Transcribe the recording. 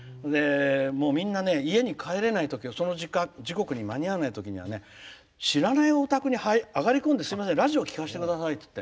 みんな家に帰れないときはその時刻に間に合わないときは知らないお宅に上がりこんでラジオ聴かせてくださいって。